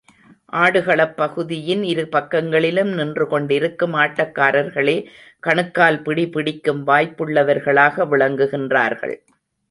ஆடுகளப் பகுதியின் இரு பக்கங்களிலும் நின்று கொண்டிருக்கும் ஆட்டக்காரர்களே கணுக்கால் பிடி பிடிக்கும் வாய்ப்புள்ளவர்களாக விளங்குகின்றார்கள்.